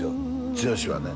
剛はね